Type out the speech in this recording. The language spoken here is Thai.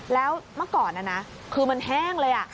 แล้วเมื่อก่อนนะนะคือมันแห้งเลย